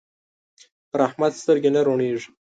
پر احمد سترګې نه روڼېږي.